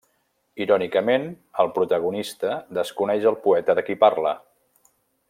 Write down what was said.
Irònicament, el protagonista desconeix el poeta de qui parla.